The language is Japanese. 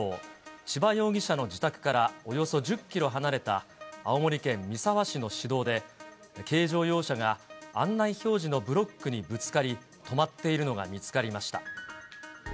千葉容疑者の自宅から、およそ１０キロ離れた、青森県三沢市の市道で、軽乗用車が案内標示のブロックにぶつかり、止まっているのが見つかりました。